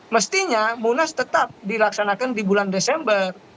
mestinya munas tetap dilaksanakan di bulan desember